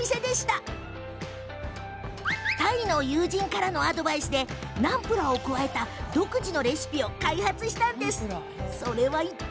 友人のタイ人からのアドバイスでナムプラーを加えた独自のレシピを開発しました。